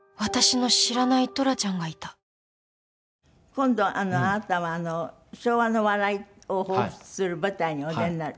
今度あなたは昭和の笑いを彷彿とする舞台にお出になる。